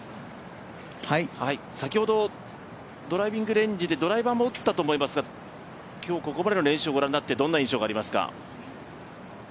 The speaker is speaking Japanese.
先ほどドライビングレンジでドライバーも打ったと思いますが今日ここまでの練習を御覧になって、どんな印象がありますか？